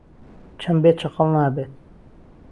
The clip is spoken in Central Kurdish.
چهم بێ چهقهڵ نابێت